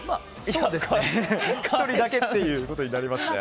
１人だけっていうことになりますね。